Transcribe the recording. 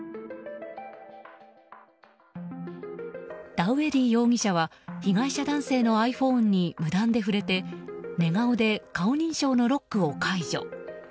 ダウエディ容疑者は被害者男性のｉＰｈｏｎｅに無断で触れて寝顔で顔認証のロックを解除。